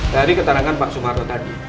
dari keterangan pak sumarno tadi